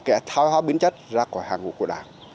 kẻ thao hóa biến chất ra khỏi hàng ngũ của đảng